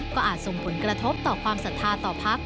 ก็อาจส่งผลกระทบต่อความศรัทธาต่อพัก